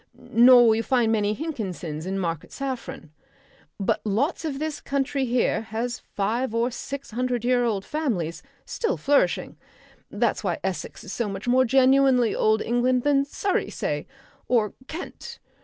Nor will you find many Hinkinsons in Market Saffron. But lots of this country here has five or six hundred year old families still flourishing. That's why Essex is so much more genuinely Old England than Surrey, say, or Kent.